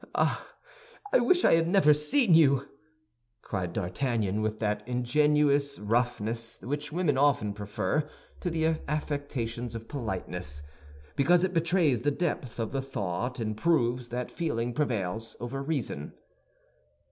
"Ah! I wish I had never seen you!" cried D'Artagnan, with that ingenuous roughness which women often prefer to the affectations of politeness, because it betrays the depths of the thought and proves that feeling prevails over reason.